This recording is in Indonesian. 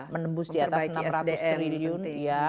menembus di atas enam ratus triliun